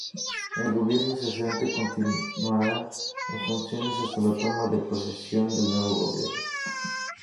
El Gobierno cesante continuará en funciones hasta la toma de posesión del nuevo Gobierno.